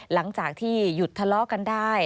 หลังจากที่หยุดทะเลาะกันได้